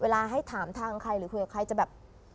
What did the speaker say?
เวลาให้ถามทางใครหรือคุยกับใครจะแบบ